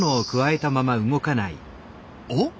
おっ！